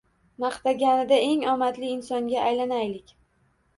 Maqtaganida eng omadli insonga aylanaylik!